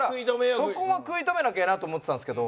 そこは食い止めなきゃなと思ってたんですけど。